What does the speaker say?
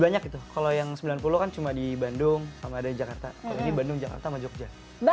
banyak itu kalau yang sembilan puluh kan cuma di bandung sama ada jakarta ini bandung jakarta jogja